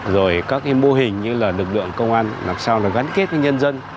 rồi các mô hình như là lực lượng công an làm sao gắn kết với nhân dân